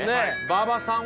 馬場さんは？